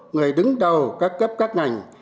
người đứng đầu các cấp các ngành